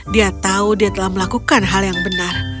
dia tahu dia telah melakukan hal yang benar